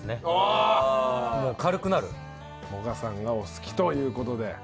萌歌さんがお好きということで。